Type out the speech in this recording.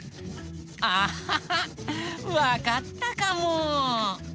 アハハッわかったかも！